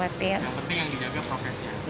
yang penting yang dijaga prosesnya